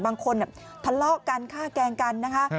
บางคนทะเลาะกันฆ่าแกล้งกันนะคะ